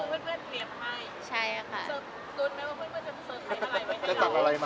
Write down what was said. เราคือเพื่อนเวลียมให้